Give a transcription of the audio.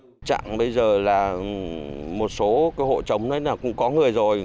tình trạng bây giờ là một số hộ trống đấy là cũng có người rồi